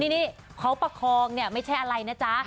นี่เขาประคองเนี่ยไม่ใช่อะไรนะจ๊ะ